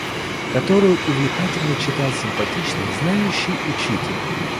которую увлекательно читал симпатичный, знающий учитель.